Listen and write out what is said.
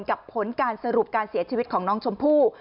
ผลการสรุปการเสียชีวิตของน้องชมพู่